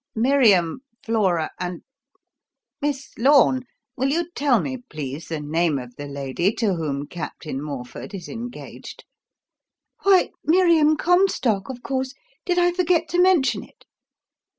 "Miriam, Flora, and ... Miss Lorne, will you tell me please the name of the lady to whom Captain Morford is engaged?" "Why Miriam Comstock, of course did I forget to mention it?"